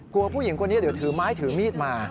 ก็กลัวไง